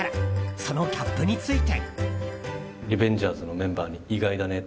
そのギャップについて。